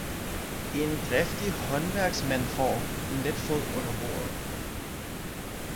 En driftig håndværksmandfår let fod under bordet